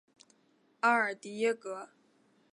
阿尔迪耶格。